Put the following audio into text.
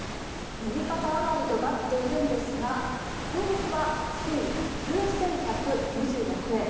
右肩上がりとなっているんですが今月は月に９１２６円。